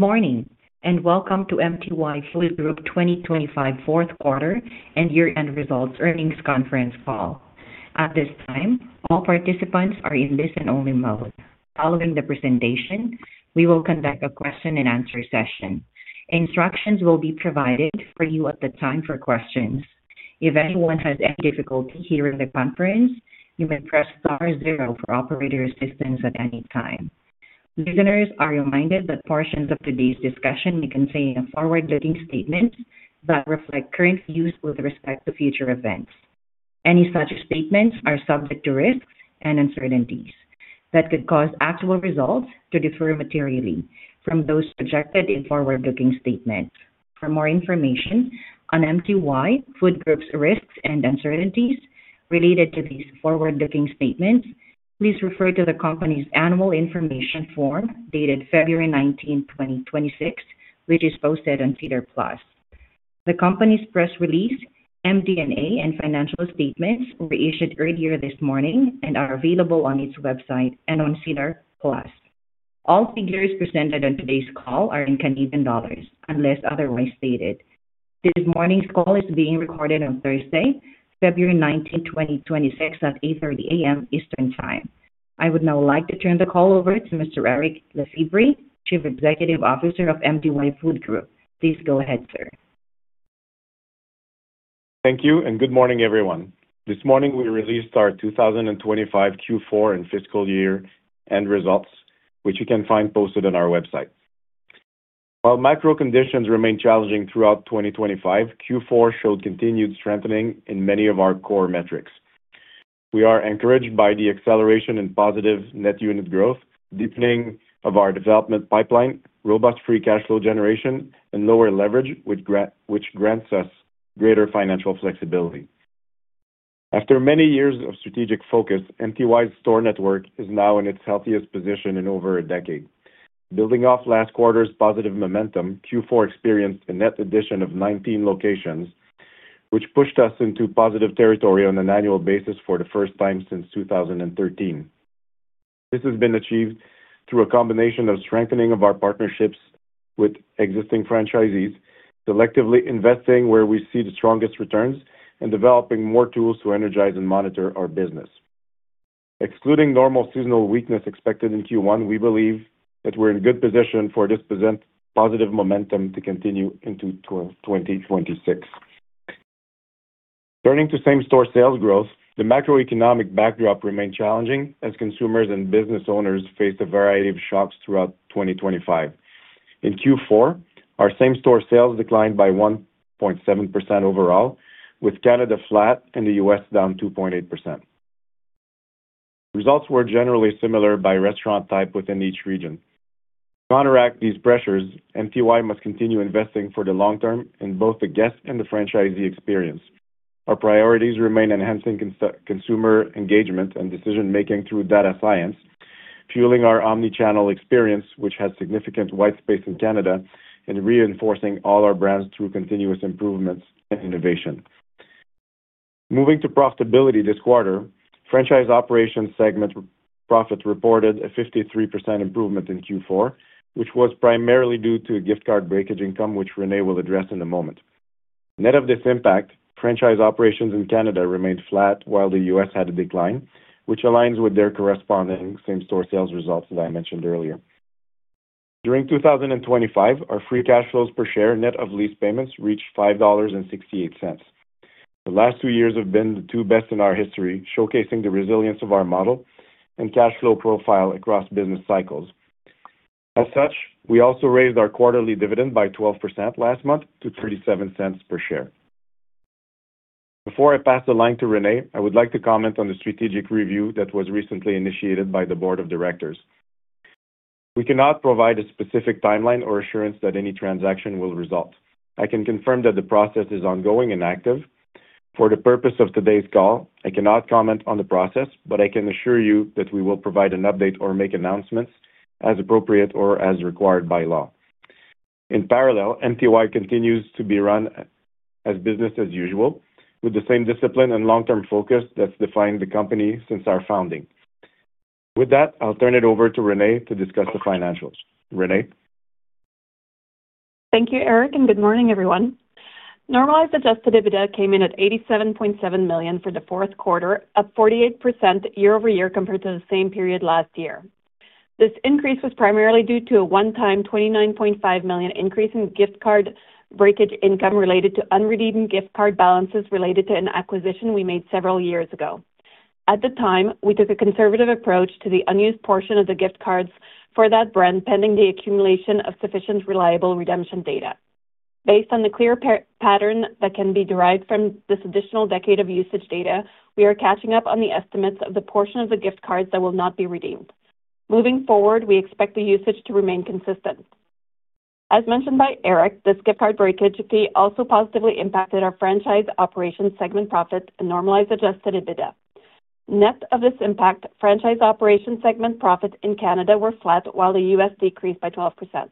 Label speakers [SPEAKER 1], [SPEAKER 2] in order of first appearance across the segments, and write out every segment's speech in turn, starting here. [SPEAKER 1] Morning, and welcome to MTY Food Group 2025 fourth quarter and year-end results earnings conference call. At this time, all participants are in listen-only mode. Following the presentation, we will conduct a question-and-answer session. Instructions will be provided for you at the time for questions. If anyone has any difficulty hearing the conference, you may press star zero for operator assistance at any time. Listeners are reminded that portions of today's discussion may contain forward-looking statements that reflect current views with respect to future events. Any such statements are subject to risks and uncertainties that could cause actual results to differ materially from those projected in forward-looking statements. For more information on MTY Food Group's risks and uncertainties related to these forward-looking statements, please refer to the company's Annual Information Form, dated February 19, 2026, which is posted on SEDAR+. The company's press release, MD&A, and financial statements were issued earlier this morning and are available on its website and on SEDAR+. All figures presented on today's call are in Canadian dollars, unless otherwise stated. This morning's call is being recorded on Thursday, February 19, 2026, at 8:30 A.M. Eastern Time. I would now like to turn the call over to Mr. Eric Lefebvre, Chief Executive Officer of MTY Food Group. Please go ahead, sir.
[SPEAKER 2] Thank you, and good morning, everyone. This morning, we released our 2025 Q4 and fiscal year end results, which you can find posted on our website. While macro conditions remained challenging throughout 2025, Q4 showed continued strengthening in many of our core metrics. We are encouraged by the acceleration in positive net unit growth, deepening of our development pipeline, robust free cash flow generation, and lower leverage, which grants us greater financial flexibility. After many years of strategic focus, MTY's store network is now in its healthiest position in over a decade. Building off last quarter's positive momentum, Q4 experienced a net addition of 19 locations, which pushed us into positive territory on an annual basis for the first time since 2013. This has been achieved through a combination of strengthening of our partnerships with existing franchisees, selectively investing where we see the strongest returns, and developing more tools to energize and monitor our business. Excluding normal seasonal weakness expected in Q1, we believe that we're in good position for this present positive momentum to continue into 2026. Turning to same-store sales growth, the macroeconomic backdrop remained challenging as consumers and business owners faced a variety of shocks throughout 2025. In Q4, our same-store sales declined by 1.7% overall, with Canada flat and the U.S. down 2.8%. Results were generally similar by restaurant type within each region. To counteract these pressures, MTY must continue investing for the long term in both the guest and the franchisee experience. Our priorities remain enhancing consumer engagement and decision-making through data science, fueling our omni-channel experience, which has significant white space in Canada, and reinforcing all our brands through continuous improvements and innovation. Moving to profitability this quarter, franchise operations segment profits reported a 53% improvement in Q4, which was primarily due to gift card breakage income, which Renée will address in a moment. Net of this impact, franchise operations in Canada remained flat, while the U.S. had a decline, which aligns with their corresponding same-store sales results, as I mentioned earlier. During 2025, our free cash flows per share, net of lease payments, reached 5.68 dollars. The last two years have been the two best in our history, showcasing the resilience of our model and cash flow profile across business cycles. As such, we also raised our quarterly dividend by 12% last month to 0.37 per share. Before I pass the line to Renée, I would like to comment on the strategic review that was recently initiated by the board of directors. We cannot provide a specific timeline or assurance that any transaction will result. I can confirm that the process is ongoing and active. For the purpose of today's call, I cannot comment on the process, but I can assure you that we will provide an update or make announcements as appropriate or as required by law. In parallel, MTY continues to be run as business as usual, with the same discipline and long-term focus that's defined the company since our founding. With that, I'll turn it over to Renée to discuss the financials. Renée?
[SPEAKER 3] Thank you, Eric, and good morning, everyone. Normalized Adjusted EBITDA came in at CAD 87.7 million for the fourth quarter, up 48% year-over-year compared to the same period last year. This increase was primarily due to a one-time 29.5 million increase in gift card breakage income related to unredeemed gift card balances related to an acquisition we made several years ago. At the time, we took a conservative approach to the unused portion of the gift cards for that brand, pending the accumulation of sufficient, reliable redemption data. Based on the clear pattern that can be derived from this additional decade of usage data, we are catching up on the estimates of the portion of the gift cards that will not be redeemed. Moving forward, we expect the usage to remain consistent. As mentioned by Eric, this gift card breakage fee also positively impacted our franchise operations segment profits and normalized Adjusted EBITDA. Net of this impact, franchise operations segment profits in Canada were flat, while the U.S. decreased by 12%.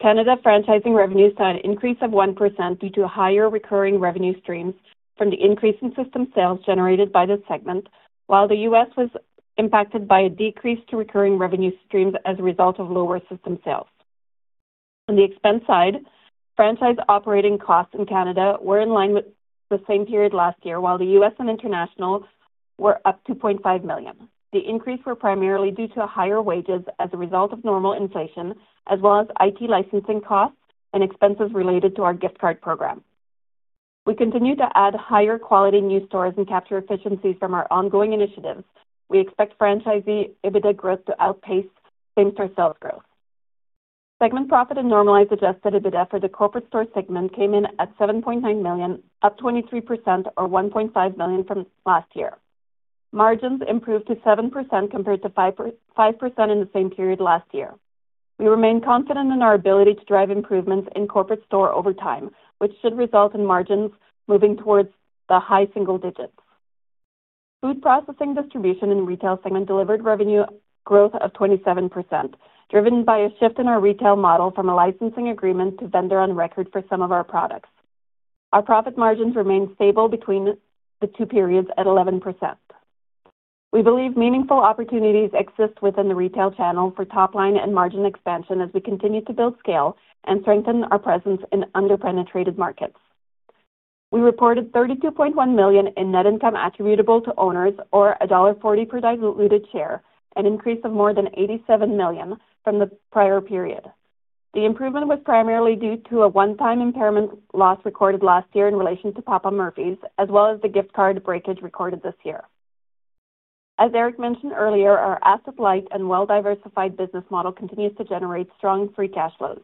[SPEAKER 3] Canada franchising revenues saw an increase of 1% due to higher recurring revenue streams from the increase in system sales generated by the segment, while the U.S. was impacted by a decrease to recurring revenue streams as a result of lower system sales. On the expense side, franchise operating costs in Canada were in line with the same period last year, while the U.S. and international were up to 0.5 million. The increase were primarily due to higher wages as a result of normal inflation, as well as IT licensing costs and expenses related to our gift card program. We continue to add higher quality new stores and capture efficiencies from our ongoing initiatives. We expect franchisee EBITDA growth to outpace same-store sales growth. Segment profit and normalized Adjusted EBITDA for the corporate store segment came in at 7.9 million, up 23% or 1.5 million from last year. Margins improved to 7%, compared to 5% in the same period last year. We remain confident in our ability to drive improvements in corporate store over time, which should result in margins moving towards the high single digits. Food processing, distribution, and retail segment delivered revenue growth of 27%, driven by a shift in our retail model from a licensing agreement to vendor on record for some of our products. Our profit margins remained stable between the two periods at 11%. We believe meaningful opportunities exist within the retail channel for top line and margin expansion as we continue to build scale and strengthen our presence in under-penetrated markets. We reported 32.1 million in net income attributable to owners or dollar 1.40 per diluted share, an increase of more than 87 million from the prior period. The improvement was primarily due to a one-time impairment loss recorded last year in relation to Papa Murphy's, as well as the gift card breakage recorded this year. As Eric mentioned earlier, our asset-light and well-diversified business model continues to generate strong free cash flows.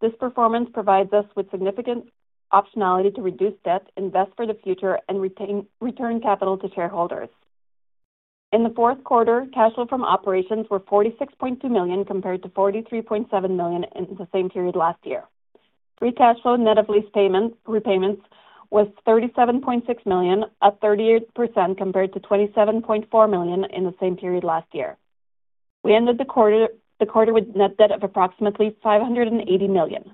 [SPEAKER 3] This performance provides us with significant optionality to reduce debt, invest for the future, and return capital to shareholders. In the fourth quarter, cash flow from operations were 46.2 million, compared to 43.7 million in the same period last year. Free cash flow, net of lease payments- repayments, was 37.6 million, up 38% compared to 27.4 million in the same period last year. We ended the quarter, the quarter with net debt of approximately 580 million.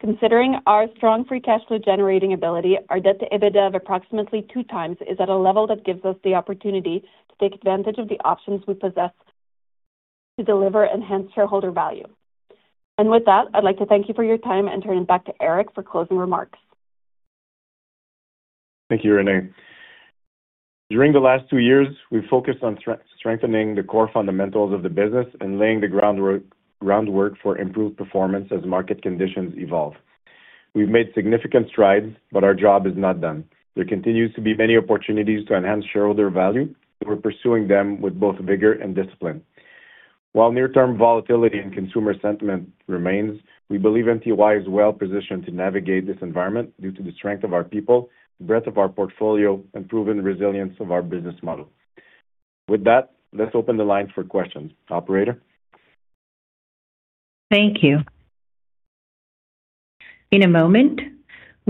[SPEAKER 3] Considering our strong free cash flow-generating ability, our debt to EBITDA of approximately 2x is at a level that gives us the opportunity to take advantage of the options we possess to deliver enhanced shareholder value. And with that, I'd like to thank you for your time and turn it back to Eric for closing remarks.
[SPEAKER 2] Thank you, Renée. During the last two years, we've focused on strengthening the core fundamentals of the business and laying the groundwork for improved performance as market conditions evolve. We've made significant strides, but our job is not done. There continues to be many opportunities to enhance shareholder value, and we're pursuing them with both vigor and discipline. While near-term volatility in consumer sentiment remains, we believe MTY is well-positioned to navigate this environment due to the strength of our people, breadth of our portfolio, and proven resilience of our business model. With that, let's open the line for questions. Operator?
[SPEAKER 1] Thank you. In a moment,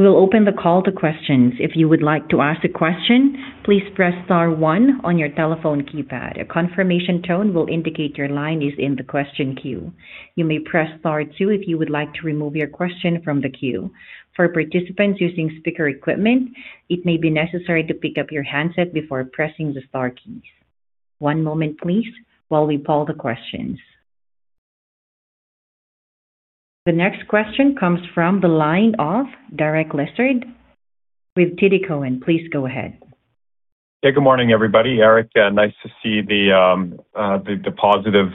[SPEAKER 1] we'll open the call to questions. If you would like to ask a question, please press star one on your telephone keypad. A confirmation tone will indicate your line is in the question queue. You may press star two if you would like to remove your question from the queue. For participants using speaker equipment, it may be necessary to pick up your handset before pressing the star keys. One moment, please, while we poll the questions. The next question comes from the line of Derek Lessard with TD Cowen. Please go ahead.
[SPEAKER 4] Hey, good morning, everybody. Eric, nice to see the positive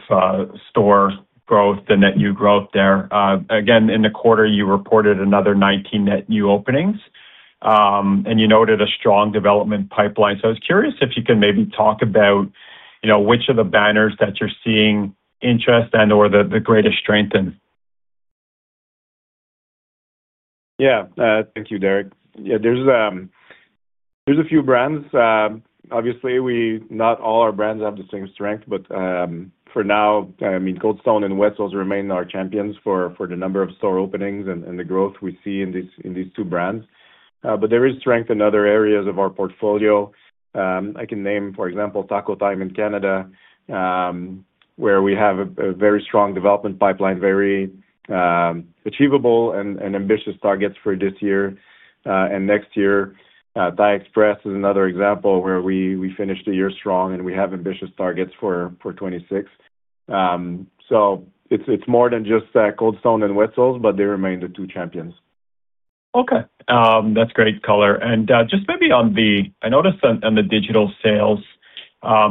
[SPEAKER 4] store growth, the net new growth there. Again, in the quarter, you reported another 19 net new openings, and you noted a strong development pipeline. So I was curious if you could maybe talk about, you know, which of the banners that you're seeing interest in or the greatest strength in?
[SPEAKER 2] Yeah. Thank you, Derek. Yeah, there's a few brands. Obviously, not all our brands have the same strength, but for now, I mean, Cold Stone and Wetzel's remain our champions for the number of store openings and the growth we see in these two brands. But there is strength in other areas of our portfolio. I can name, for example, Taco Time in Canada, where we have a very strong development pipeline, very achievable and ambitious targets for this year and next year. Thai Express is another example where we finished the year strong, and we have ambitious targets for 2026. So it's more than just Cold Stone and Wetzel's, but they remain the two champions.
[SPEAKER 4] Okay. That's great color. And just maybe on the digital sales,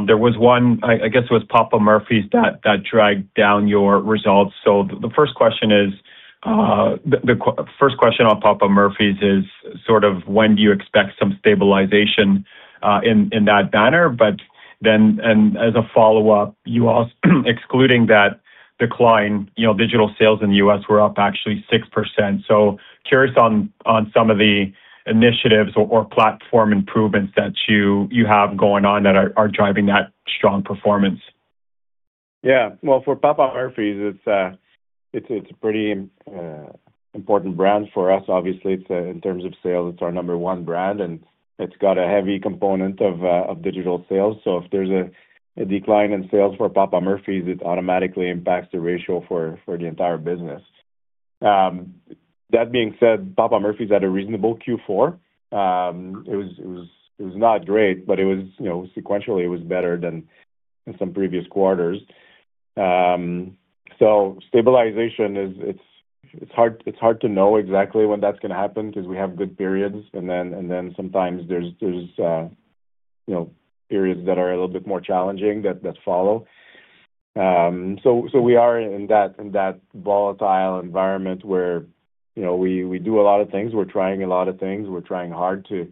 [SPEAKER 4] there was one, I guess it was Papa Murphy's that dragged down your results. So the first question on Papa Murphy's is sort of when do you expect some stabilization in that banner? But then, as a follow-up, also excluding that decline, you know, digital sales in the U.S. were up actually 6%. So curious on some of the initiatives or platform improvements that you have going on that are driving that strong performance.
[SPEAKER 2] Yeah. Well, for Papa Murphy's, it's a pretty important brand for us. Obviously, it's in terms of sales, it's our number one brand, and it's got a heavy component of digital sales. So if there's a decline in sales for Papa Murphy's, it automatically impacts the ratio for the entire business. That being said, Papa Murphy's had a reasonable Q4. It was not great, but it was, you know, sequentially, it was better than in some previous quarters. So stabilization is, it's hard to know exactly when that's gonna happen because we have good periods, and then sometimes there's you know, periods that are a little bit more challenging that follow. So, we are in that volatile environment where, you know, we do a lot of things. We're trying a lot of things. We're trying hard to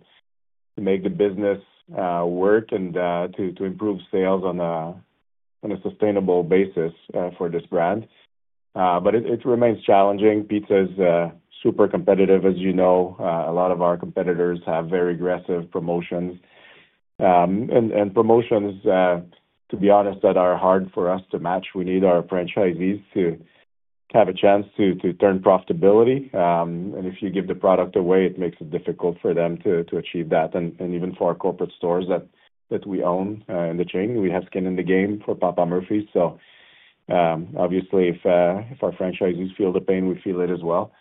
[SPEAKER 2] make the business work and to improve sales on a sustainable basis for this brand. But it remains challenging. Pizza is super competitive, as you know. A lot of our competitors have very aggressive promotions. And promotions, to be honest, that are hard for us to match. We need our franchisees to have a chance to turn profitability, and if you give the product away, it makes it difficult for them to achieve that. And even for our corporate stores that we own in the chain, we have skin in the game for Papa Murphy's. So, obviously, if our franchisees feel the pain, we feel it as well.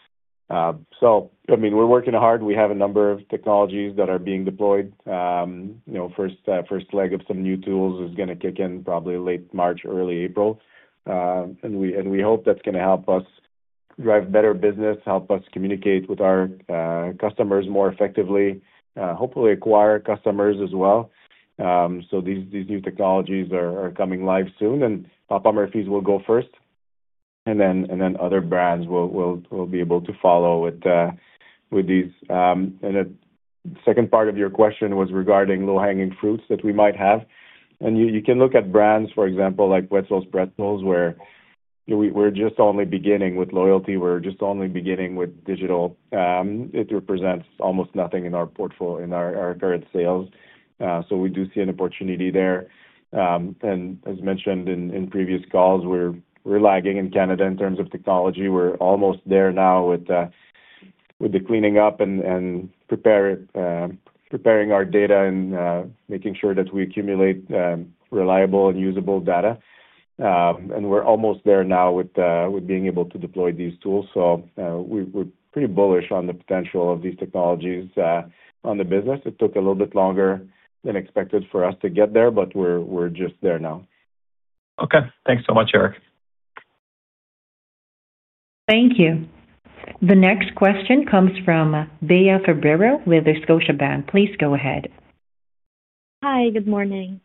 [SPEAKER 2] So I mean, we're working hard. We have a number of technologies that are being deployed. You know, first leg of some new tools is gonna kick in probably late March, early April. And we hope that's gonna help us drive better business, help us communicate with our customers more effectively, hopefully acquire customers as well. So these new technologies are coming live soon, and Papa Murphy's will go first, and then other brands will be able to follow with these. And the second part of your question was regarding low-hanging fruits that we might have. You can look at brands, for example, like Wetzel's Pretzels, where we're just only beginning with loyalty. We're just only beginning with digital. It represents almost nothing in our portfolio in our current sales. So we do see an opportunity there. And as mentioned in previous calls, we're lagging in Canada in terms of technology. We're almost there now with the cleaning up and preparing our data and making sure that we accumulate reliable and usable data. And we're almost there now with being able to deploy these tools. So we're pretty bullish on the potential of these technologies on the business. It took a little bit longer than expected for us to get there, but we're just there now.
[SPEAKER 4] Okay. Thanks so much, Eric.
[SPEAKER 1] Thank you. The next question comes from Bia Cabrera with Scotiabank. Please go ahead.
[SPEAKER 5] Hi, good morning.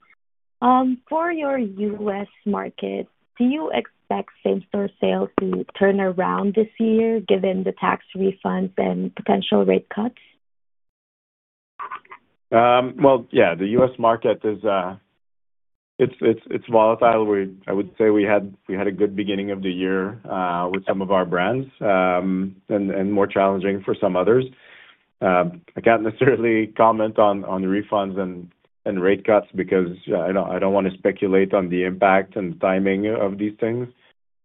[SPEAKER 5] For your U.S. market, do you expect same-store sales to turn around this year, given the tax refunds and potential rate cuts?
[SPEAKER 2] Well, yeah, the US market is, it's volatile. I would say we had a good beginning of the year with some of our brands and more challenging for some others. I can't necessarily comment on the refunds and rate cuts because I don't wanna speculate on the impact and timing of these things.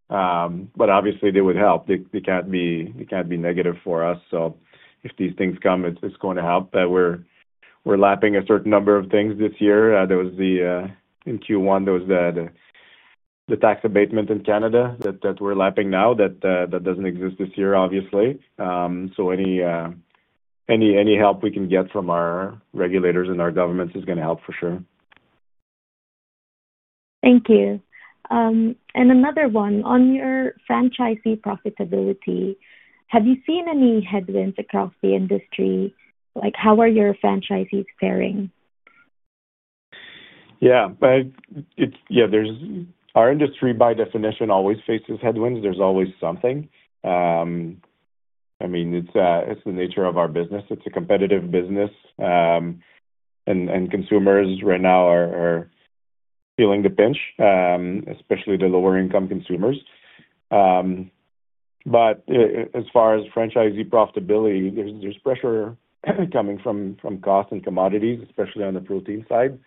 [SPEAKER 2] But obviously, they would help. They can't be negative for us. So if these things come, it's going to help. We're lapping a certain number of things this year. In Q1, there was the tax abatement in Canada that we're lapping now, that doesn't exist this year, obviously. Any help we can get from our regulators and our governments is gonna help for sure.
[SPEAKER 5] Thank you. Another one: On your franchisee profitability, have you seen any headwinds across the industry? Like, how are your franchisees faring?
[SPEAKER 2] Yeah, but it's. Yeah, there's our industry, by definition, always faces headwinds. There's always something. I mean, it's the nature of our business. It's a competitive business, and consumers right now are feeling the pinch, especially the lower-income consumers. But as far as franchisee profitability, there's pressure coming from costs and commodities, especially on the protein side.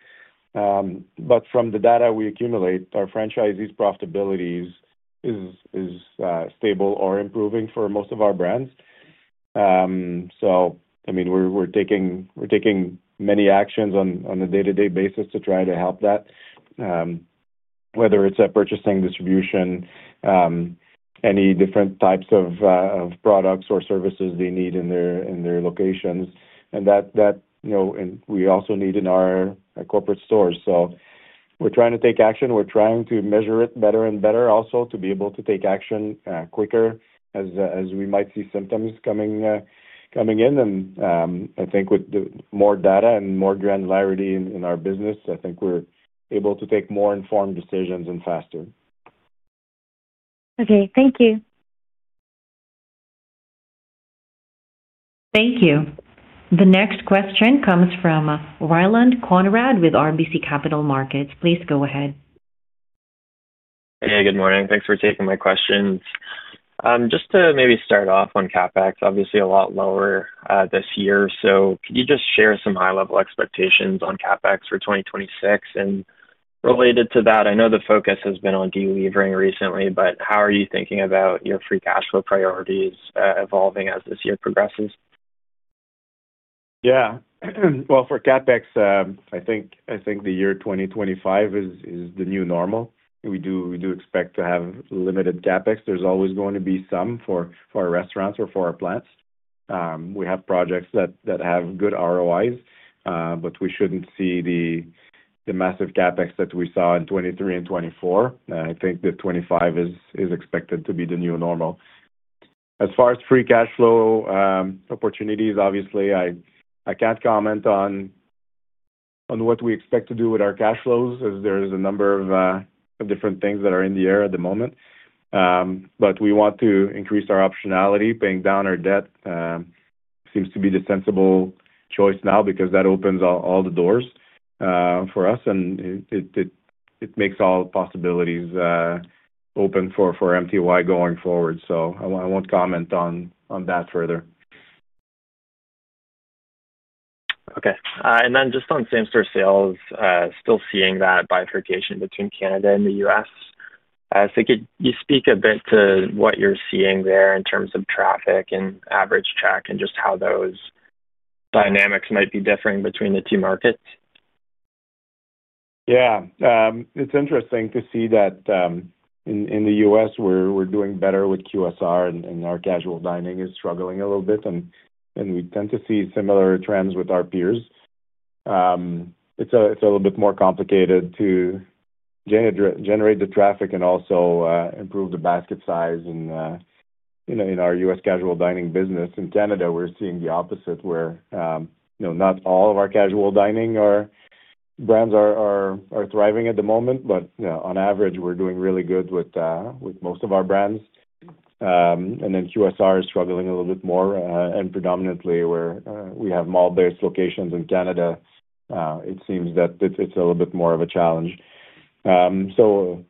[SPEAKER 2] But from the data we accumulate, our franchisees' profitability is stable or improving for most of our brands. So I mean, we're taking many actions on a day-to-day basis to try to help that, whether it's at purchasing, distribution, any different types of products or services they need in their locations, and that, you know, and we also need in our corporate stores. So we're trying to take action. We're trying to measure it better and better also to be able to take action quicker as we might see symptoms coming in. And I think with the more data and more granularity in our business, I think we're able to take more informed decisions and faster.
[SPEAKER 5] Okay. Thank you.
[SPEAKER 1] Thank you. The next question comes from Ryland Conrad with RBC Capital Markets. Please go ahead.
[SPEAKER 6] Hey, good morning. Thanks for taking my questions. Just to maybe start off on CapEx, obviously a lot lower this year. Could you just share some high-level expectations on CapEx for 2026? And related to that, I know the focus has been on delevering recently, but how are you thinking about your free cash flow priorities evolving as this year progresses?
[SPEAKER 2] Yeah. Well, for CapEx, I think the year 2025 is the new normal. We do expect to have limited CapEx. There's always going to be some for our restaurants or for our plants. We have projects that have good ROIs, but we shouldn't see the massive CapEx that we saw in 2023 and 2024. I think that 2025 is expected to be the new normal. As far as free cash flow opportunities, obviously, I can't comment on what we expect to do with our cash flows, as there is a number of different things that are in the air at the moment. But we want to increase our optionality. Paying down our debt seems to be the sensible choice now because that opens all the doors for us, and it makes all possibilities open for MTY going forward. So I won't comment on that further.
[SPEAKER 6] Okay. Just on same-store sales, still seeing that bifurcation between Canada and the U.S. Could you speak a bit to what you're seeing there in terms of traffic and average track and just how those dynamics might be differing between the two markets?
[SPEAKER 2] Yeah. It's interesting to see that, in the U.S., we're doing better with QSR and our casual dining is struggling a little bit, and we tend to see similar trends with our peers. It's a little bit more complicated to generate the traffic and also improve the basket size and you know, in our U.S. casual dining business. In Canada, we're seeing the opposite, where you know, not all of our casual dining or brands are thriving at the moment, but you know, on average, we're doing really good with most of our brands. And then QSR is struggling a little bit more, and predominantly where we have mall-based locations in Canada, it seems that it's a little bit more of a challenge. So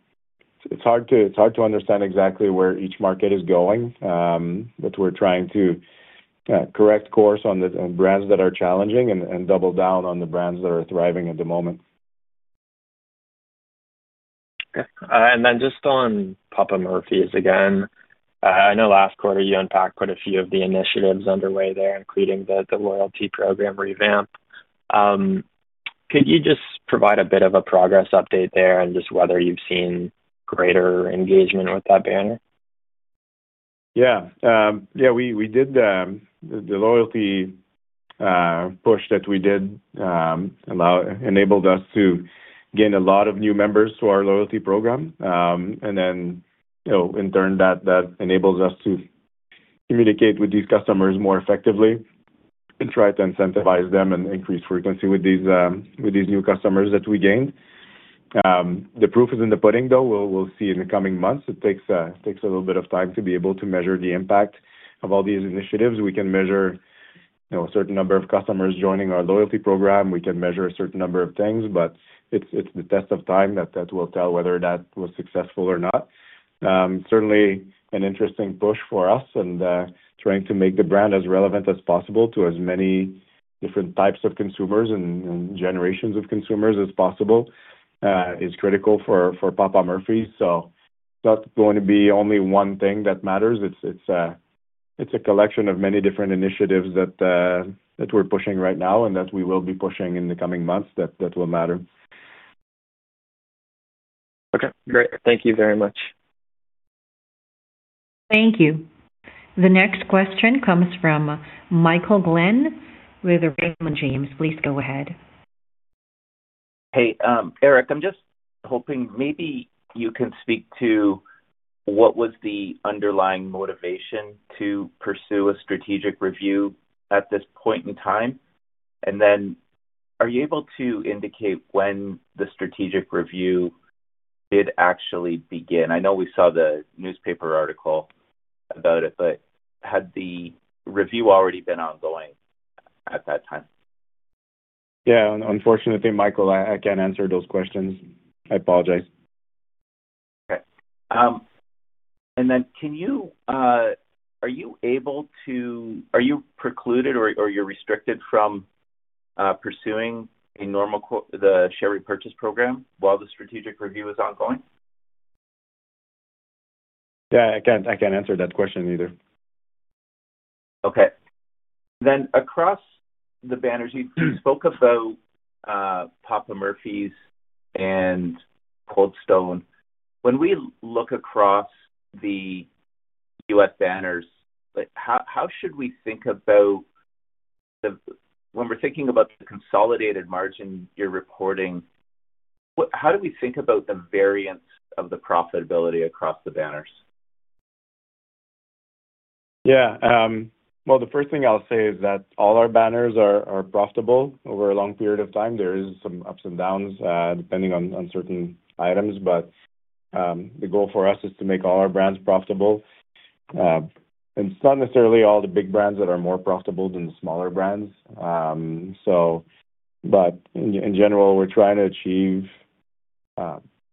[SPEAKER 2] it's hard to understand exactly where each market is going, but we're trying to correct course on the brands that are challenging and double down on the brands that are thriving at the moment.
[SPEAKER 6] Okay. And then just on Papa Murphy's again. I know last quarter you unpacked quite a few of the initiatives underway there, including the loyalty program revamp. Could you just provide a bit of a progress update there and just whether you've seen greater engagement with that banner?
[SPEAKER 2] Yeah. Yeah, we did the loyalty push that we did enabled us to gain a lot of new members to our loyalty program. And then, you know, in turn, that enables us to communicate with these customers more effectively and try to incentivize them and increase frequency with these new customers that we gained. The proof is in the pudding, though. We'll see in the coming months. It takes a little bit of time to be able to measure the impact of all these initiatives. We can measure, you know, a certain number of customers joining our loyalty program. We can measure a certain number of things, but it's the test of time that will tell whether that was successful or not. Certainly an interesting push for us, and trying to make the brand as relevant as possible to as many different types of consumers and generations of consumers as possible, is critical for Papa Murphy's. So that's going to be only one thing that matters. It's a collection of many different initiatives that we're pushing right now and that we will be pushing in the coming months, that will matter.
[SPEAKER 6] Okay, great. Thank you very much.
[SPEAKER 1] Thank you. The next question comes from Michael Glen, with Raymond James. Please go ahead.
[SPEAKER 7] Hey, Eric, I'm just hoping maybe you can speak to what was the underlying motivation to pursue a strategic review at this point in time? And then, are you able to indicate when the strategic review did actually begin? I know we saw the newspaper article about it, but had the review already been ongoing at that time?
[SPEAKER 2] Yeah. Unfortunately, Michael, I can't answer those questions. I apologize.
[SPEAKER 7] Okay. And then can you are you able to Are you precluded or, or you're restricted from pursuing a normal co the share repurchase program while the strategic review is ongoing?
[SPEAKER 2] Yeah, I can't answer that question either.
[SPEAKER 7] Okay. Then, across the banners, you spoke about Papa Murphy's and Cold Stone. When we look across the U.S. banners, like, how should we think about the when we're thinking about the consolidated margin you're reporting, how do we think about the variance of the profitability across the banners?
[SPEAKER 2] Yeah. Well, the first thing I'll say is that all our banners are profitable over a long period of time. There are some ups and downs, depending on certain items, but the goal for us is to make all our brands profitable. And it's not necessarily all the big brands that are more profitable than the smaller brands. But in general, we're trying to achieve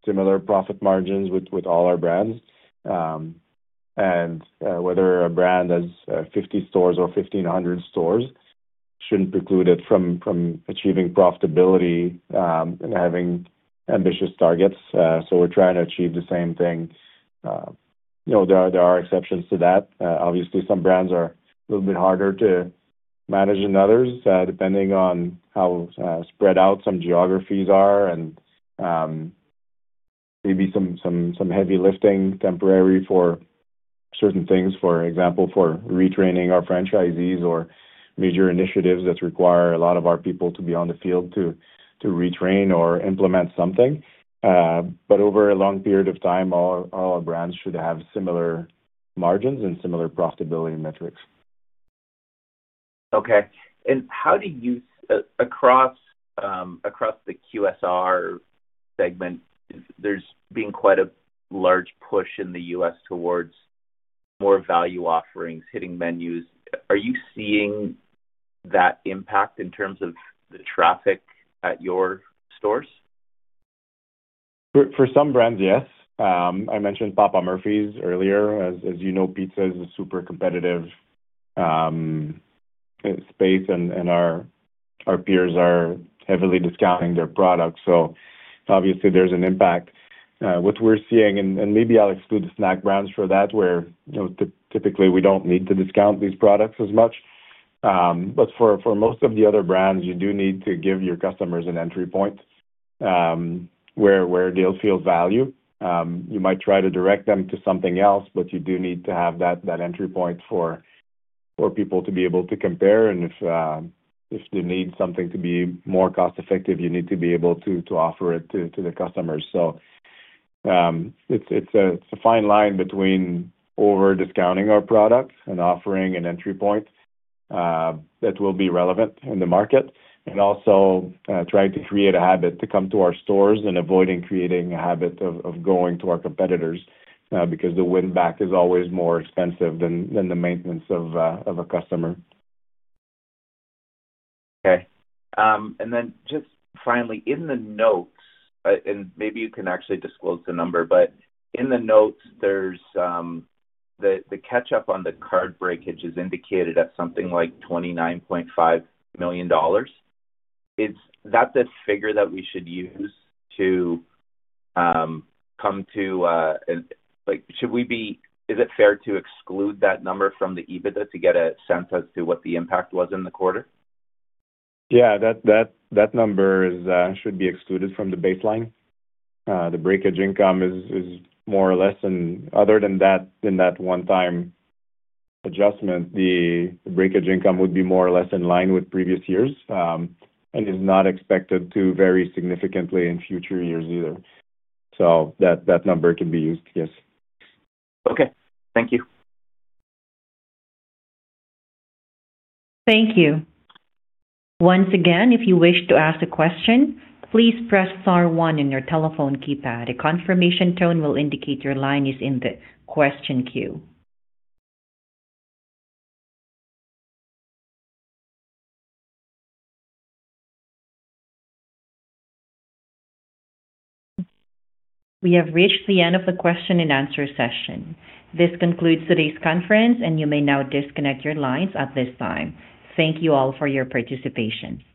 [SPEAKER 2] similar profit margins with all our brands. And whether a brand has 50 stores or 1,500 stores shouldn't preclude it from achieving profitability and having ambitious targets. So we're trying to achieve the same thing. You know, there are exceptions to that. Obviously, some brands are a little bit harder to manage than others, depending on how spread out some geographies are and maybe some heavy lifting, temporary for certain things, for example, for retraining our franchisees or major initiatives that require a lot of our people to be on the field to retrain or implement something. But over a long period of time, all our brands should have similar margins and similar profitability metrics.
[SPEAKER 7] Okay. How do you, across, across the QSR segment, there's been quite a large push in the U.S. towards more value offerings, hitting menus. Are you seeing that impact in terms of the traffic at your stores?
[SPEAKER 2] For some brands, yes. I mentioned Papa Murphy's earlier. As you know, pizza is a super competitive space, and our peers are heavily discounting their products. So obviously there's an impact, which we're seeing, and maybe I'll exclude the snack brands for that, where you know typically we don't need to discount these products as much. But for most of the other brands, you do need to give your customers an entry point, where they'll feel value. You might try to direct them to something else, but you do need to have that entry point for people to be able to compare. And if they need something to be more cost-effective, you need to be able to offer it to the customers. So, it's a fine line between over-discounting our products and offering an entry point that will be relevant in the market, and also trying to create a habit to come to our stores and avoiding creating a habit of going to our competitors, because the win back is always more expensive than the maintenance of a customer.
[SPEAKER 7] Okay. And then just finally, in the notes, and maybe you can actually disclose the number, but in the notes, there's the catch up on the card breakage is indicated at something like 29.5 million dollars. Is that the figure that we should use to come to like, should we be is it fair to exclude that number from the EBITDA to get a sense as to what the impact was in the quarter?
[SPEAKER 2] Yeah, that number should be excluded from the baseline. The breakage income is more or less, and other than that one time adjustment, the breakage income would be more or less in line with previous years, and is not expected to vary significantly in future years either. So that number can be used, yes.
[SPEAKER 7] Okay. Thank you.
[SPEAKER 1] Thank you. Once again, if you wish to ask a question, please press star one in your telephone keypad. A confirmation tone will indicate your line is in the question queue. We have reached the end of the question and answer session. This concludes today's conference, and you may now disconnect your lines at this time. Thank you all for your participation.